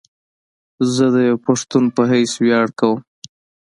زه ديوه پښتون په حيث وياړ کوم